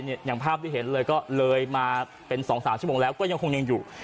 อย่างภาพที่เห็นเลยก็เลยมาเป็น๒๓ชั่วโมงแล้วก็ยังคงยังอยู่